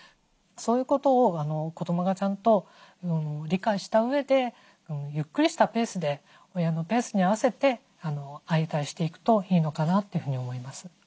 そういうことを子どもがちゃんと理解したうえでゆっくりしたペースで親のペースに合わせて相対していくといいのかなというふうに思います。